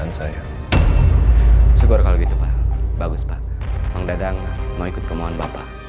an tastenya tidak seperti itu aja